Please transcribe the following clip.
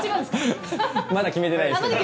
まだ決めてないです。